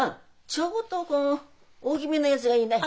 ちょごっとこう大きめのやつがいいない。